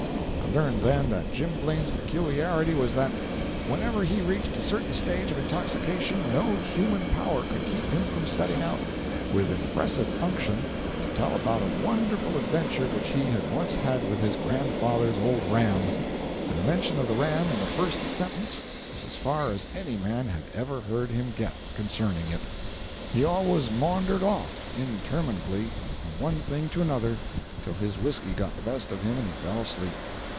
I learned then that Jim Blaine's peculiarity was that whenever he reached a certain stage of intoxication, no human power could keep him from setting out, with impressive unction, to tell about a wonderful adventure which he had once had with his grandfather's old ram—and the mention of the ram in the first sentence was as far as any man had ever heard him get, concerning it. He always maundered off, interminably, from one thing to another, till his whisky got the best of him and he fell asleep.